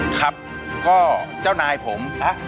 ครับก็เจ้านายผม